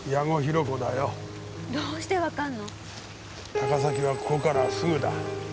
高崎はここからすぐだ。